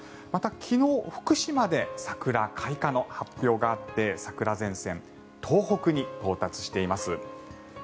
また昨日、福島で桜開花の発表があって桜前線、東北に到達しています。